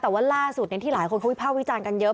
แต่ว่าล่าสุดที่หลายคนเขาวิภาควิจารณ์กันเยอะ